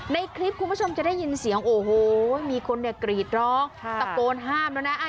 ในคลิปคุณผู้ชมจะได้ยินเสียงโอ้โหมีคนเนี่ยกรีดร้องตะโกนห้ามแล้วนะ